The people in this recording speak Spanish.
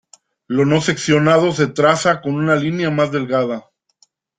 Lo no seccionado se traza con una línea más delgada.